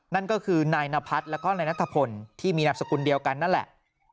นั่นก็คือนายนพัฒน์แล้วก็นายนัทพลที่มีนามสกุลเดียวกันนั่นแหละ